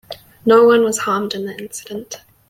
No one was harmed in the incident.